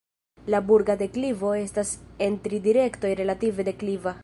La burga deklivo estas en tri direktoj relative dekliva.